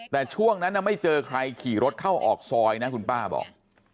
แต่ช่วงนั้นไม่เจอใครขี่รถเข้าออกซอยนะคุณป้าบอก